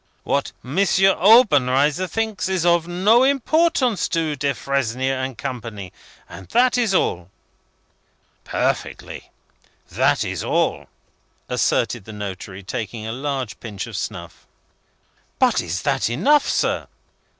What M. Obenreizer thinks, is of no importance to Defresnier and Company.' And that is all." "Perfectly. That is all," asserted the notary, taking a large pinch of snuff. "But is that enough, sir?"